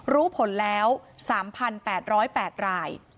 รู้ผลแล้ว๓๘๐๘ราย